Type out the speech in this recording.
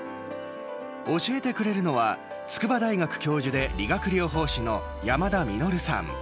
教えてくれるのは筑波大学教授で理学療法士の山田実さん。